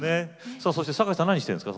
さあそして酒井さん何してるんですか